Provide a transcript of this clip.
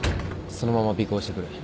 そのまま尾行してくれ。